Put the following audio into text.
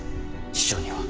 師匠には。